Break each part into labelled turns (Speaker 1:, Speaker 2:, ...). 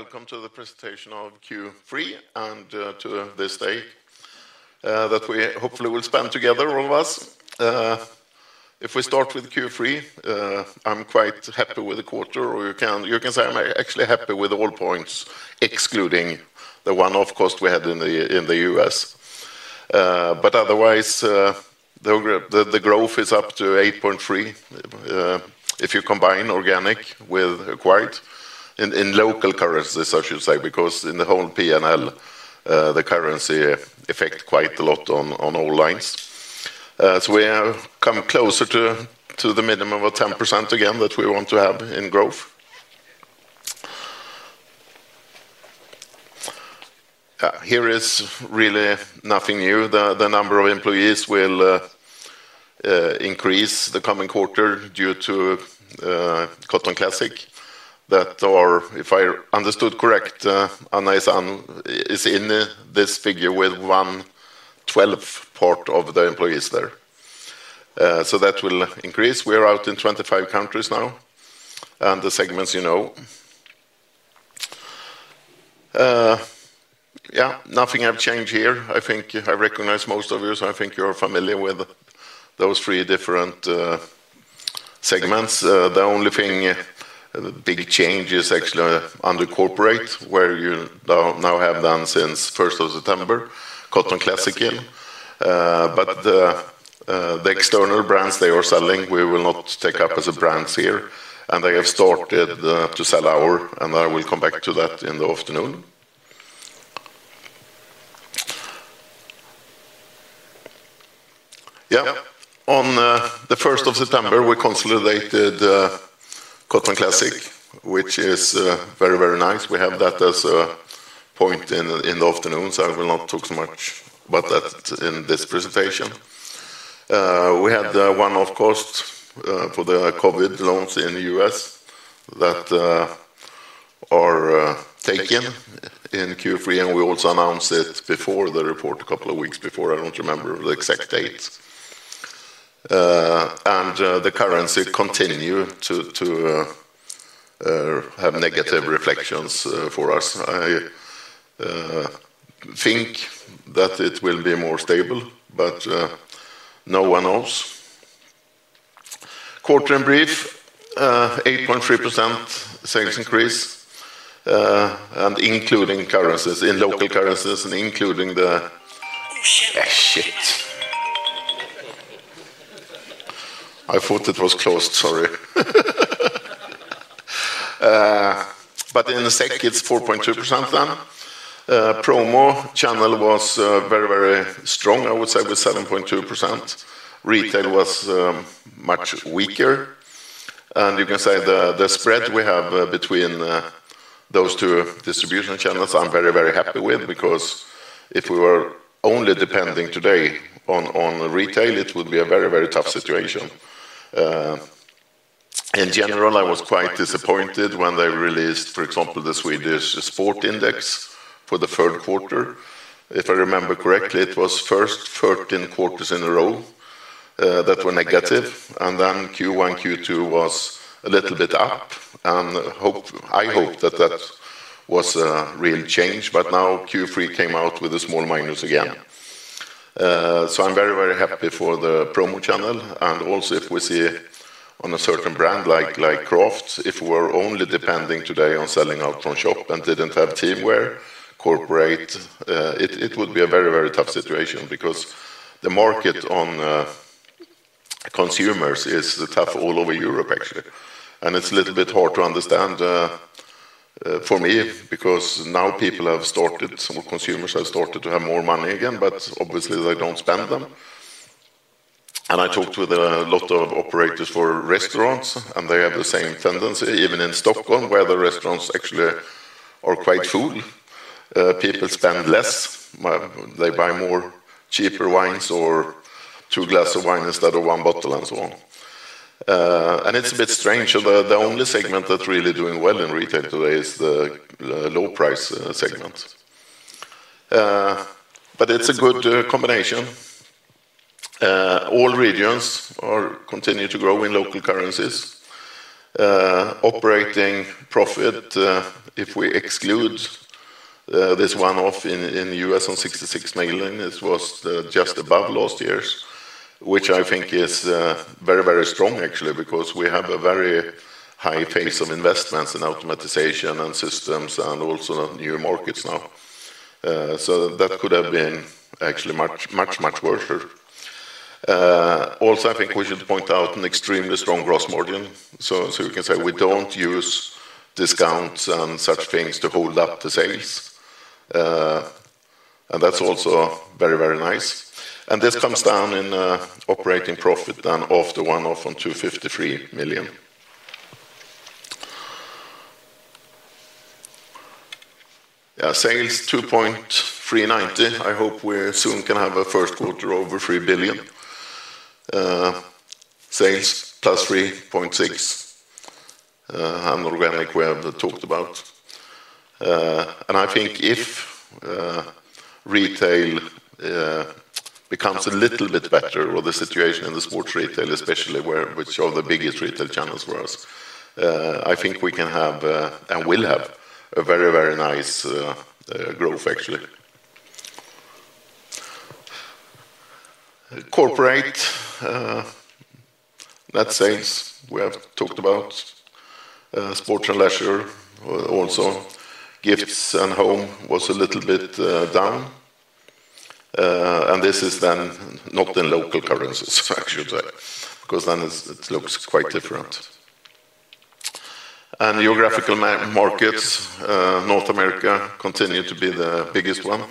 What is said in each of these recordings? Speaker 1: Very, very welcome to the presentation of Q3 and to this take. That we hopefully will spend together, all of us. If we start with Q3, I'm quite happy with the quarter, or you can say I'm actually happy with all points, excluding the one-off cost we had in the U.S. Otherwise, the growth is up to 8.3% if you combine organic with acquired. In local currencies, I should say, because in the whole P&L, the currency affects quite a lot on all lines. We have come closer to the minimum of 10% again that we want to have in growth. Here is really nothing new. The number of employees will increase the coming quarter due to Cotton Classic. If I understood correctly, Anna is in this figure with 112 part of the employees there. That will increase. We are out in 25 countries now. The segments you know. Yeah, nothing I've changed here. I think I recognize most of you, so I think you're familiar with those three different segments. The only thing, big change is actually under Corporate, where you now have then since 1st of September, Cotton Classic in. The external brands they are selling, we will not take up as a brand here. They have started to sell our, and I will come back to that in the afternoon. On the 1st of September, we consolidated Cotton Classic, which is very, very nice. We have that as a point in the afternoon, so I will not talk so much about that in this presentation. We had one off-cost for the COVID loans in the U.S. that are taken in Q3, and we also announced it before the report, a couple of weeks before. I don't remember the exact date. The currency continued to have negative reflections for us. I think that it will be more stable, but no one knows. Quarter end brief. 8.3% sales increase, including currencies, in local currencies, and including the.
Speaker 2: Oh, shit. Yeah, shit.
Speaker 1: I thought it was closed, sorry. But in the SEK, it's 4.2% then. Promo channel was very, very strong, I would say, with 7.2%, retail was much weaker. You can say the spread we have between those two distribution channels, I'm very, very happy with, because if we were only depending today on retail, it would be a very, very tough situation. In general, I was quite disappointed when they released, for example, the Swedish sport index for the third quarter. If I remember correctly, it was first 13 quarters in a row that were negative, and then Q1, Q2 was a little bit up. I hope that that was a real change. Now Q3 came out with a small minus again. I'm very, very happy for the promo channel. If we see on a certain brand like Craft, if we are only depending today on selling out from shop and did not have teamwear, corporate, it would be a very, very tough situation because the market on consumers is tough all over Europe, actually. It is a little bit hard to understand for me because now people have started, some consumers have started to have more money again, but obviously they do not spend them. I talked with a lot of operators for restaurants, and they have the same tendency, even in Stockholm, where the restaurants actually are quite full. People spend less. They buy more cheaper wines or two glasses of wine instead of one bottle and so on. It is a bit strange. The only segment that is really doing well in retail today is the low-price segment. It is a good combination. All regions continue to grow in local currencies. Operating profit, if we exclude this one-off in the U.S. on 66 million, it was just above last year's, which I think is very, very strong, actually, because we have a very high pace of investments in automatization and systems and also new markets now. That could have been actually much, much, much worse. I think we should point out an extremely strong gross margin. You can say we do not use discounts and such things to hold up the sales. That is also very, very nice. This comes down in operating profit than of the one-off on SEK 253 million. Sales 2.39 million. I hope we soon can have a first quarter over 3 billion. Sales +3.6%. Organic we have talked about. I think if retail becomes a little bit better, or the situation in the sports retail, especially where which are the biggest retail channels for us, I think we can have and will have a very, very nice growth, actually. Corporate net sales, we have talked about. Sports and leisure also. Gifts and home was a little bit down. This is then not in local currencies, I should say, because then it looks quite different. Geographical markets, North America continues to be the biggest one.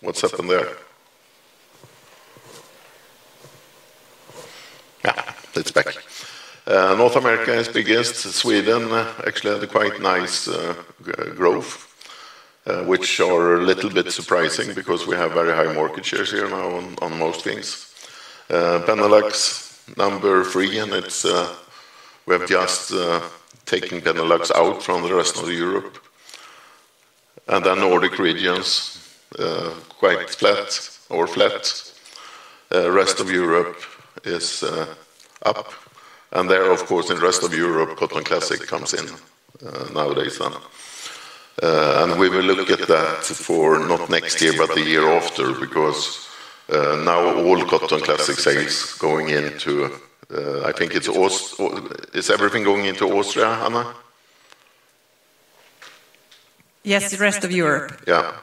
Speaker 1: What's happened there? Yeah, it's back. North America is biggest. Sweden actually had a quite nice growth, which are a little bit surprising because we have very high market shares here now on most things. Benelux number three, and we have just taken Benelux out from the rest of Europe. Nordic regions, quite flat or flat. Rest of Europe is up. Of course, in the rest of Europe, Cotton Classic comes in nowadays then. We will look at that for not next year, but the year after, because now all Cotton Classic sales going into, I think it's, everything going into Austria, Anna?
Speaker 3: Yes, the rest of Europe.
Speaker 1: Yeah.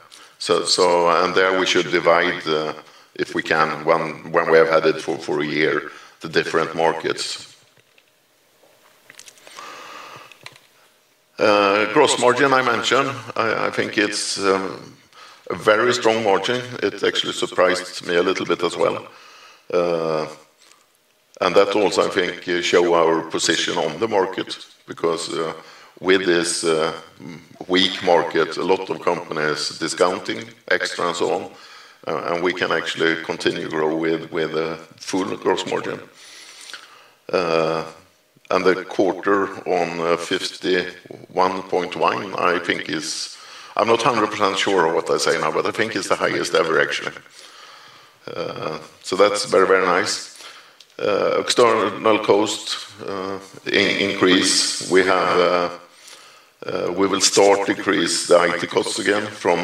Speaker 1: There we should divide, if we can, when we have had it for a year, the different markets. Gross margin I mentioned, I think it is a very strong margin. It actually surprised me a little bit as well. That also, I think, shows our position on the market because with this weak market, a lot of companies discounting extra and so on, and we can actually continue to grow with a full gross margin. The quarter on 51.1%, I think, is, I am not 100% sure of what I say now, but I think it is the highest ever, actually. That is very, very nice. External cost increase, we have. We will start to decrease the IT costs again from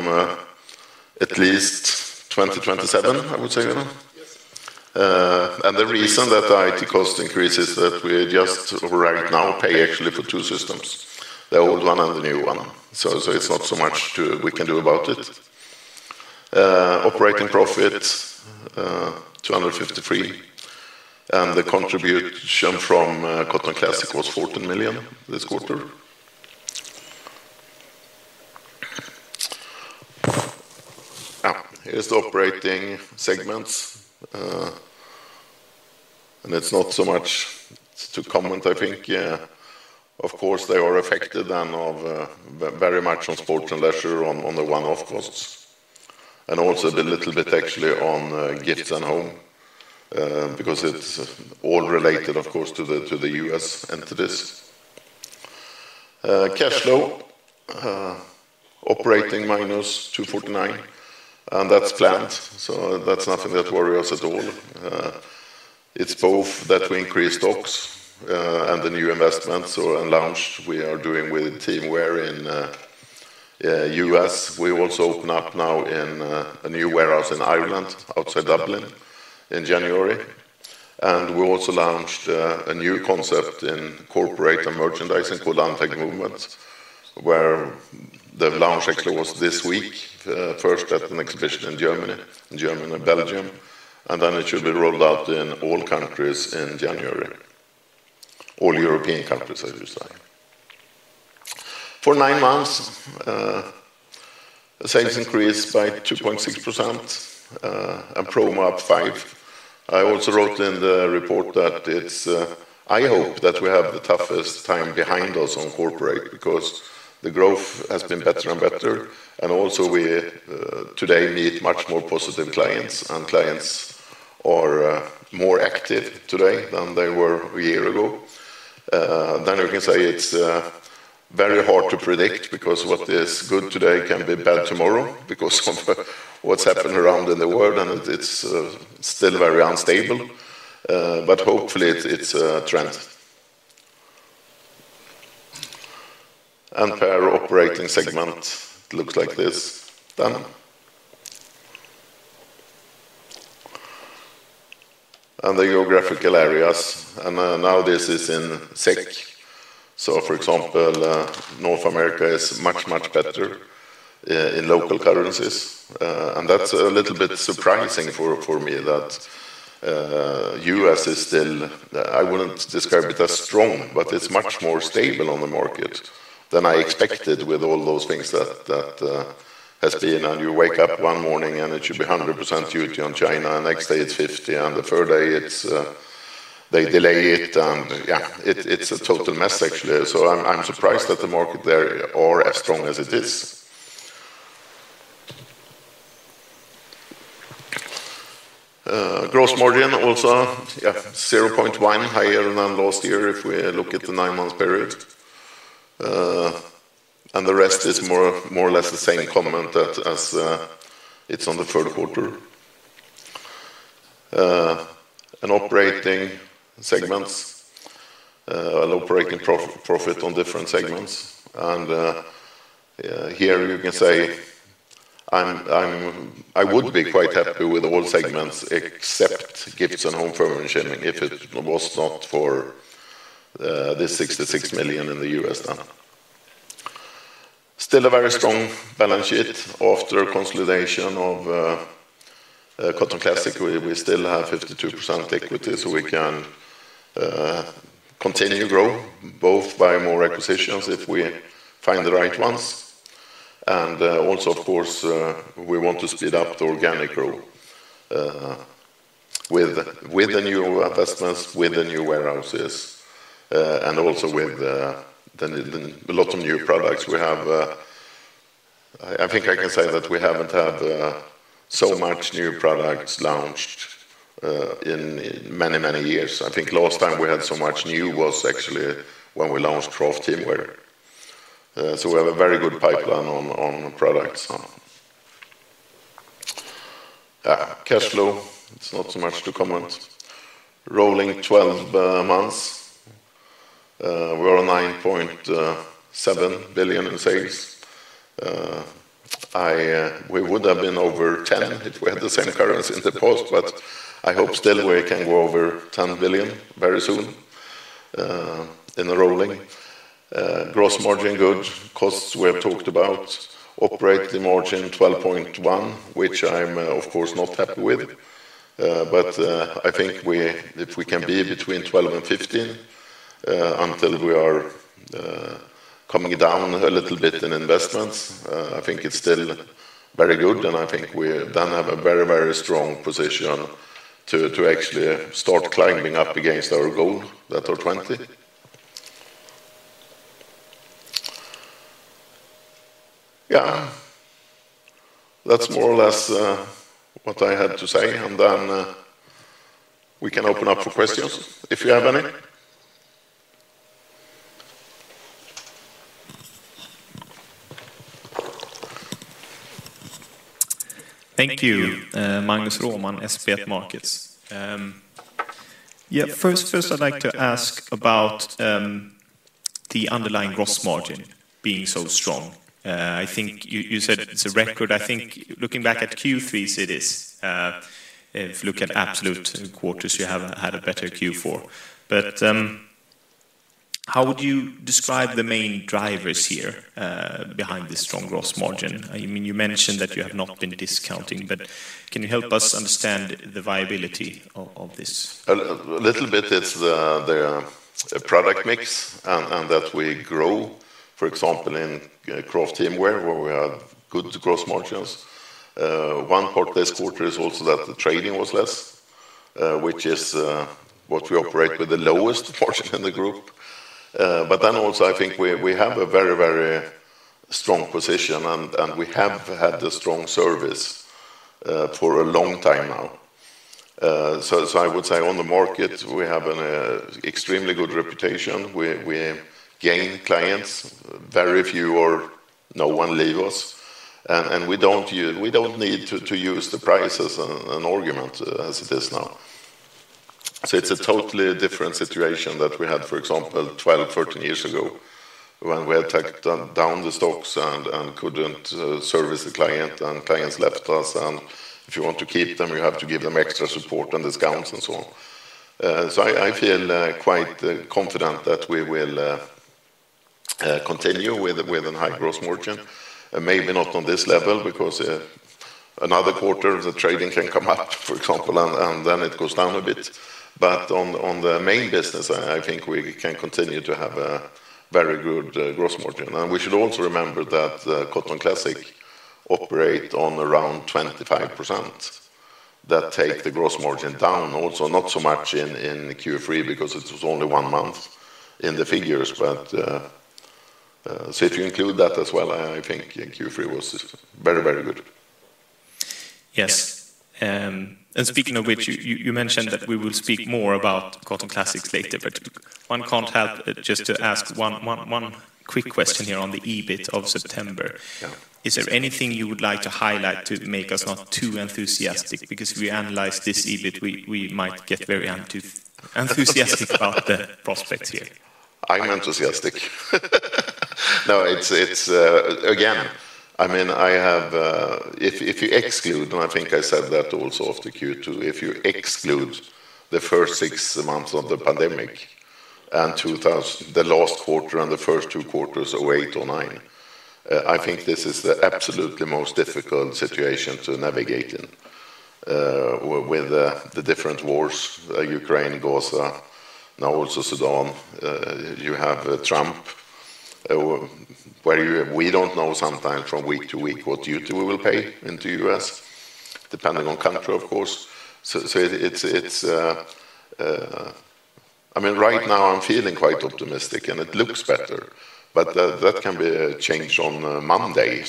Speaker 1: at least 2027, I would say. The reason that the IT cost increase is that we just right now pay actually for two systems, the old one and the new one. It is not so much we can do about it. Operating profit is 253 million. The contribution from Cotton Classic was 14 million this quarter. Here are the operating segments. It is not so much to comment, I think. Of course, they are affected then very much on sports and leisure on the one-off costs. Also a little bit actually on gifts and home, because it is all related, of course, to the U.S. entities. Cash flow, operating -SEK 249 million. That is planned, so that is nothing that worries us at all. It is both that we increase stocks and the new investments and launch we are doing with teamwear in the U.S. We also open up now in a new warehouse in Ireland outside Dublin in January. We also launched a new concept in corporate and merchandising called Anthem Movement. The launch actually was this week, first at an exhibition in Germany and Belgium. It should be rolled out in all countries in January. All European countries, I should say. For nine months, sales increased by 2.6% and promo up 5%. I also wrote in the report that I hope that we have the toughest time behind us on corporate because the growth has been better and better. We today need much more positive clients, and clients are more active today than they were a year ago. It is very hard to predict because what is good today can be bad tomorrow because of what has happened around in the world, and it is still very unstable. Hopefully it is a trend. Per operating segment, it looks like this. The geographical areas, and now this is in SEK. For example, North America is much, much better in local currencies. That is a little bit surprising for me that the U.S. is still, I would not describe it as strong, but it is much more stable on the market than I expected with all those things that have been. You wake up one morning and it should be 100% duty on China, next day it is 50%, and the third day they delay it. It is a total mess, actually. I am surprised that the market there is as strong as it is. Gross margin also, yeah, 0.1 higher than last year if we look at the nine-month period. The rest is more or less the same comment as. It's on the third quarter. Operating segments. Operating profit on different segments. Here you can say, I would be quite happy with all segments except gifts and home furnishing if it was not for this 66 million in the U.S. then. Still a very strong balance sheet after consolidation of Cotton Classic. We still have 52% equity, so we can continue to grow both by more acquisitions if we find the right ones. Also, of course, we want to speed up the organic growth with the new investments, with the new warehouses. Also with a lot of new products we have. I think I can say that we haven't had so much new products launched in many, many years. I think last time we had so much new was actually when we launched Craft Teamwear. So we have a very good pipeline on products. Yeah, cash flow, it's not so much to comment. Rolling 12 months. We are on 9.7 billion in sales. We would have been over 10 billion if we had the same currency in the past, but I hope still we can go over 10 billion very soon. In the rolling. Gross margin good, costs we have talked about operating margin 12.1%, which I'm of course not happy with. I think if we can be between 12% and 15% until we are coming down a little bit in investments, I think it's still very good. I think we then have a very, very strong position to actually start climbing up against our goal that are 20%. Yeah. That's more or less what I had to say. We can open up for questions if you have any.
Speaker 4: Thank you, Magnus Råman, SB1 Markets. Yeah, first I'd like to ask about the underlying gross margin being so strong. I think you said it's a record. I think looking back at Q3, it is. If you look at absolute quarters, you have had a better Q4. How would you describe the main drivers here behind this strong gross margin? I mean, you mentioned that you have not been discounting, but can you help us understand the viability of this?
Speaker 1: A little bit, it's the product mix and that we grow, for example, in Craft Teamwear, where we have good gross margins. One part this quarter is also that the trading was less, which is what we operate with the lowest margin in the group. I think we have a very, very strong position and we have had the strong service for a long time now. I would say on the market, we have an extremely good reputation. We gain clients. Very few or no one leave us. We do not need to use the prices as an argument as it is now. It is a totally different situation than we had, for example, 12, 13 years ago when we had tacked down the stocks and could not service the client and clients left us. If you want to keep them, you have to give them extra support and discounts and so on. I feel quite confident that we will continue with a high gross margin. Maybe not on this level because another quarter of the trading can come up, for example, and then it goes down a bit. On the main business, I think we can continue to have a very good gross margin. We should also remember that Cotton Classic operates on around 25%. That takes the gross margin down. Also, not so much in Q3 because it was only one month in the figures. If you include that as well, I think Q3 was very, very good.
Speaker 4: Yes. Speaking of which, you mentioned that we will speak more about Cotton Classic later, but one cannot help just to ask one quick question here on the EBIT of September. Is there anything you would like to highlight to make us not too enthusiastic? Because if we analyze this EBIT, we might get very enthusiastic about the prospects here.
Speaker 1: I'm enthusiastic. No, it's again, I mean, if you exclude, and I think I said that also after Q2, if you exclude the first six months of the pandemic and the last quarter and the first two quarters of 2008 or 2009, I think this is the absolutely most difficult situation to navigate in. With the different wars, Ukraine, Gaza, now also Sudan. You have Trump. Where we do not know sometimes from week to week what duty we will pay into the U.S., depending on country, of course. I mean, right now I'm feeling quite optimistic and it looks better, but that can be changed on Monday.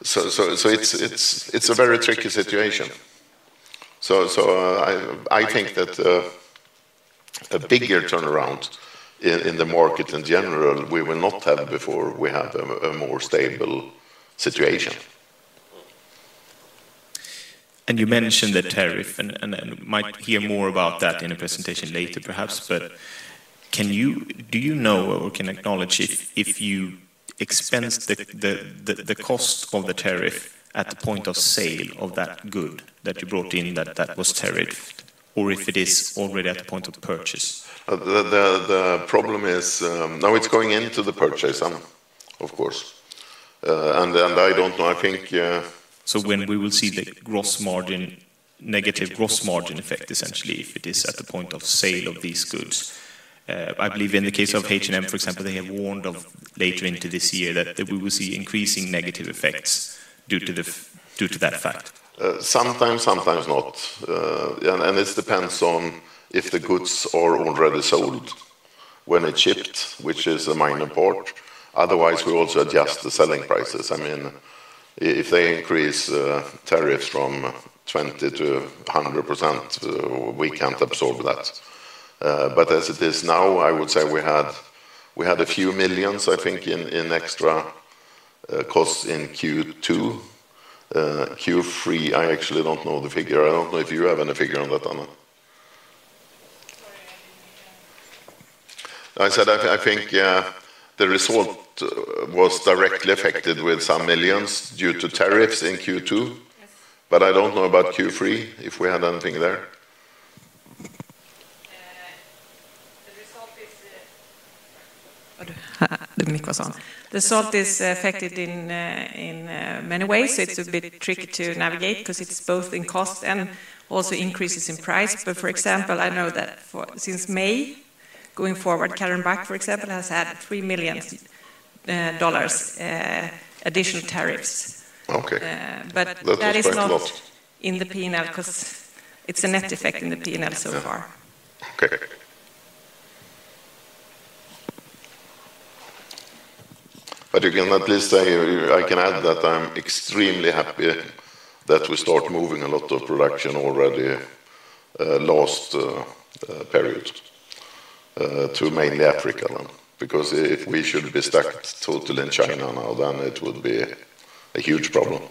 Speaker 1: It's a very tricky situation. I think that a bigger turnaround in the market in general we will not have before we have a more stable situation.
Speaker 4: You mentioned the tariff and might hear more about that in a presentation later perhaps, but can you, do you know or can acknowledge if you expensed the cost of the tariff at the point of sale of that good that you brought in that was tariffed or if it is already at the point of purchase?
Speaker 1: The problem is now it's going into the purchase, of course. I don't know, I think.
Speaker 4: When we will see the gross margin, negative gross margin effect essentially if it is at the point of sale of these goods. I believe in the case of H&M, for example, they have warned later into this year that we will see increasing negative effects due to that fact.
Speaker 1: Sometimes, sometimes not. It depends on if the goods are already sold. When it's shipped, which is a minor part. Otherwise, we also adjust the selling prices. I mean, if they increase tariffs from 20%-100%, we can't absorb that. As it is now, I would say we had a few millions, I think, in extra costs in Q2. Q3, I actually don't know the figure. I don't know if you have any figure on that, Anna. I said I think the result was directly affected with some millions due to tariffs in Q2. I don't know about Q3 if we had anything there.
Speaker 3: The result is affected in many ways. It's a bit tricky to navigate because it's both in cost and also increases in price. For example, I know that since May, going forward, Karin Bäck, for example, has had $3 million additional tariffs.
Speaker 1: Okay.
Speaker 3: That is not in the P&L because it's a net effect in the P&L so far.
Speaker 1: Okay. You can at least say I can add that I'm extremely happy that we start moving a lot of production already last period to mainly Africa then. Because if we should be stuck totally in China now, it would be a huge problem.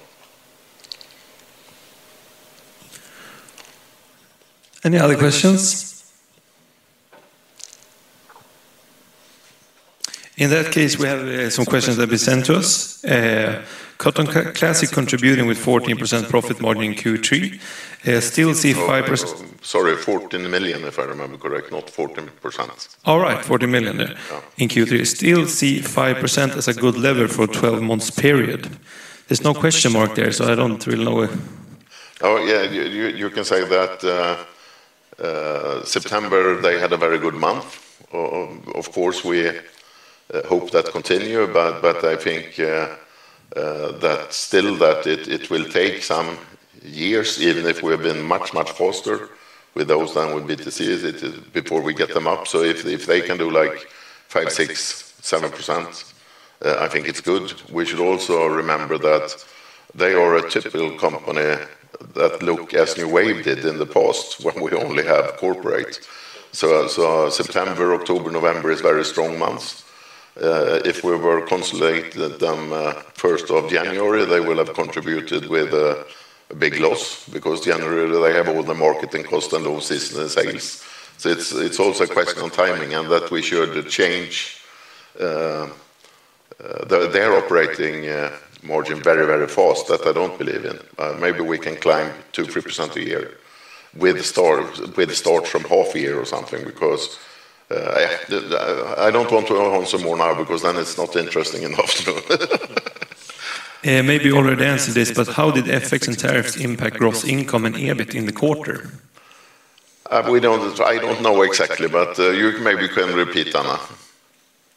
Speaker 5: Any other questions? In that case, we have some questions that have been sent to us. Cotton Classic contributing with 14% profit margin in Q3. Still see 5%.
Speaker 1: Sorry, 14 million if I remember correct, not 14%.
Speaker 5: All right, 14 million. Then in Q3 still see 5% as a good lever for a 12-month period. There is no question mark there, so I do not really know.
Speaker 1: Oh yeah, you can say that. September, they had a very good month. Of course, we hope that continues, but I think that still that it will take some years, even if we have been much, much faster with those than with BTC, it is before we get them up. So if they can do like 5%, 6%, 7%, I think it's good. We should also remember that they are a typical company that look as New Wave did in the past when we only have corporate. September, October, November is very strong months. If we were consolidated them 1st of January, they will have contributed with a big loss because generally they have all the marketing cost and those sales. It is also a question of timing and that we should change their operating margin very, very fast, that I don't believe in. Maybe we can climb 2%-3% a year with a start from half a year or something because I don't want to answer more now because then it's not interesting enough to know.
Speaker 5: Maybe you already answered this, but how did FX and tariffs impact gross income and EBIT in the quarter?
Speaker 1: I don't know exactly, but you maybe can repeat, Anna.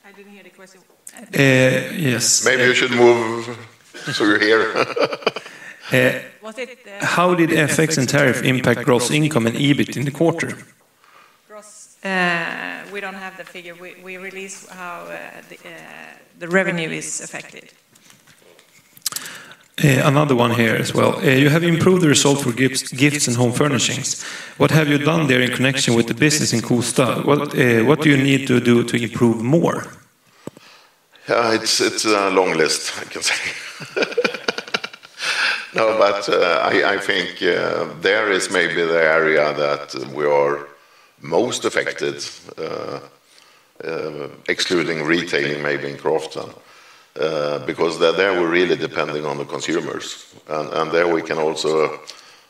Speaker 3: I didn't hear the question.
Speaker 5: Yes.
Speaker 1: Maybe you should move so you're here.
Speaker 5: How did FX and tariff impact gross income and EBIT in the quarter?
Speaker 3: We don't have the figure. We release how the revenue is affected.
Speaker 5: Another one here as well. You have improved the result for gifts and home furnishings. What have you done there in connection with the business in Kosta? What do you need to do to improve more?
Speaker 1: It's a long list, I can say. No, but I think there is maybe the area that we are most affected excluding retailing maybe in Grafton. Because there we're really depending on the consumers. There we can also,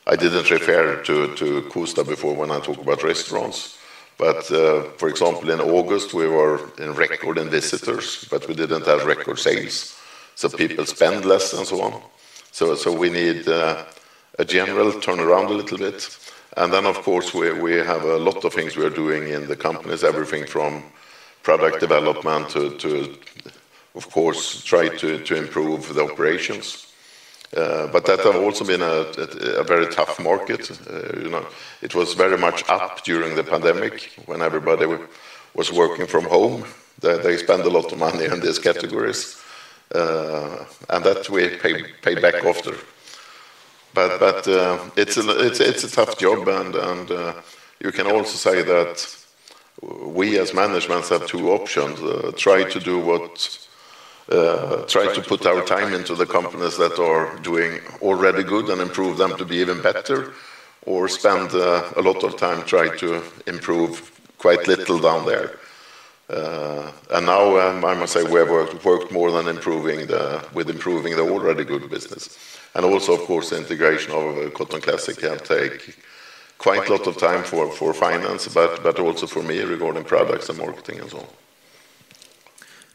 Speaker 1: I didn't refer to Kosta before when I talk about restaurants, but for example, in August, we were in record in visitors, but we didn't have record sales. People spend less and so on. We need a general turnaround a little bit. Of course, we have a lot of things we are doing in the companies, everything from product development to, of course, try to improve the operations. That has also been a very tough market. It was very much up during the pandemic when everybody was working from home. They spend a lot of money on these categories. That we pay back after. It is a tough job and you can also say that we as management have two options try to put our time into the companies that are doing already good and improve them to be even better, or spend a lot of time trying to improve quite little down there. I must say we have worked more with improving the already good business. Also, of course, the integration of Cotton Classic can take quite a lot of time for finance, but also for me regarding products and marketing and so on.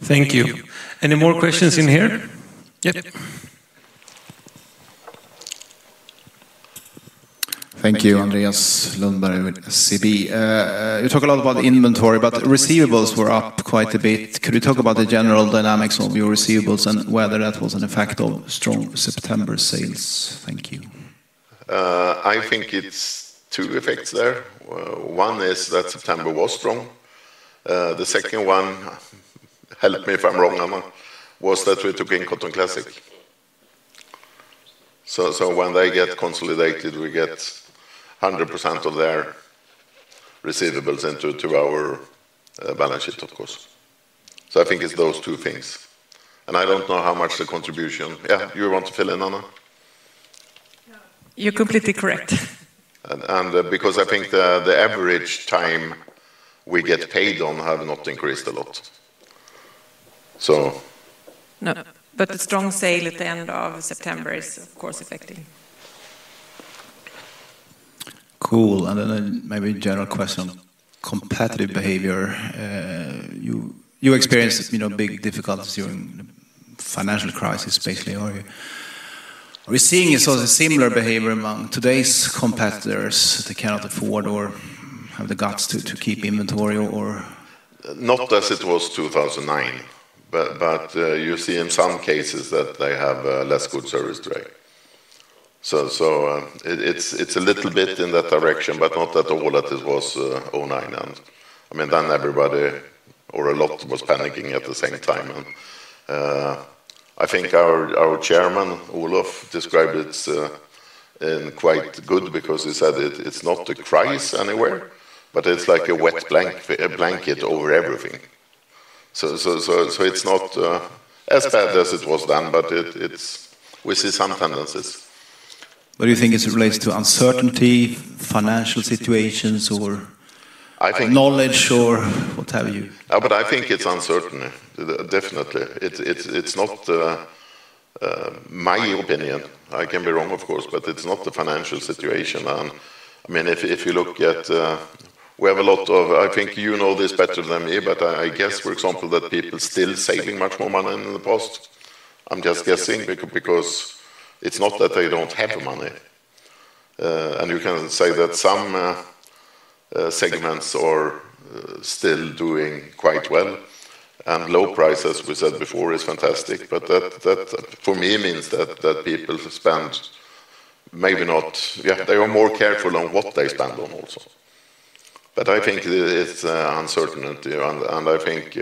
Speaker 5: Thank you. Any more questions in here? Yep.
Speaker 6: Thank you, Andreas Lundberg with SEB. You talk a lot about inventory, but receivables were up quite a bit. Could you talk about the general dynamics of your receivables and whether that was an effect of strong September sales? Thank you.
Speaker 1: I think it's two effects there. One is that September was strong. The second one, help me if I'm wrong, Anna, was that we took in Cotton Classic. So when they get consolidated, we get 100% of their receivables into our balance sheet, of course. I think it's those two things. I don't know how much the contribution, yeah, you want to fill in, Anna?
Speaker 3: You're completely correct.
Speaker 1: I think the average time we get paid on have not increased a lot, so.
Speaker 3: No, but the strong sale at the end of September is, of course, affecting.
Speaker 4: Cool. Maybe a general question on competitive behavior. You experienced big difficulties during the financial crisis, basically, or are you seeing similar behavior among today's competitors that cannot afford or have the guts to keep inventory or?
Speaker 1: Not as it was 2009, but you see in some cases that they have less good service track. So, it's a little bit in that direction, but not at all as it was 2009. I mean, then everybody, or a lot, was panicking at the same time. I think our Chairman, Olaf, described it quite good because he said it's not a crisis anywhere, but it's like a wet blanket over everything. It's not as bad as it was then, but we see some tendencies.
Speaker 4: What do you think it relates to? Uncertainty, financial situations, or knowledge, or what have you?
Speaker 1: I think it's uncertain. Definitely. It's not my opinion. I can be wrong, of course, but it's not the financial situation. I mean, if you look at, we have a lot of, I think you know this better than me, but I guess, for example, that people are still saving much more money than in the past. I'm just guessing because it's not that they don't have money. You can say that some segments are still doing quite well, and low prices, we said before, is fantastic. That for me means that people spend, maybe not, yeah, they are more careful on what they spend on also. I think it's uncertain. I think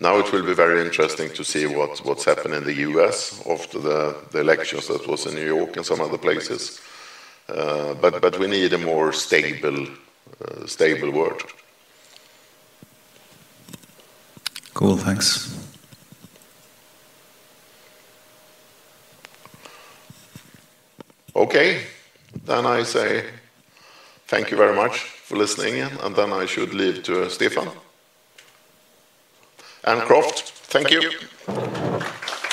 Speaker 1: now it will be very interesting to see what happens in the U.S. after the elections that were in New York and some other places. We need a more stable world.
Speaker 4: Cool. Thanks.
Speaker 1: Okay. I say thank you very much for listening. I should leave to Stephan. And Craft, thank you.